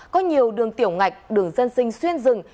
có nhiều đường tiểu ngạch đường dân sinh xuyên rừng